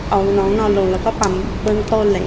เอาน้องนอนลงแล้วก็ปั๊มเบื้องต้น